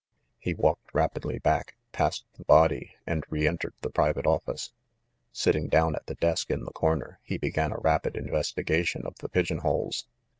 ;; He walked rapidly back, passed the body, and re entered the private office. Sitting down at the desk in the corner, he began a rapid investigation of the pigeonholes.